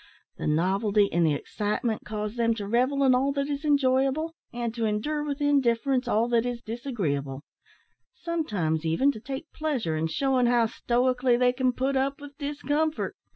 The novelty and the excitement cause them to revel in all that is enjoyable, and to endure with indifference all that is disagreeable; sometimes, even, to take pleasure in shewing how stoically they can put up with discomfort.